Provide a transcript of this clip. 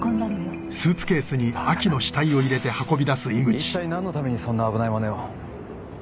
一体何のためにそんな危ない真似を？